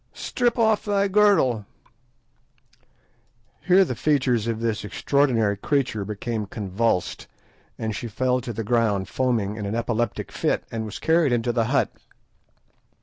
Strip off the girdle—" Here the features of this extraordinary creature became convulsed, and she fell to the ground foaming in an epileptic fit, and was carried into the hut.